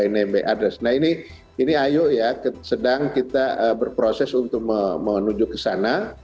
nah ini ayo ya sedang kita berproses untuk menuju ke sana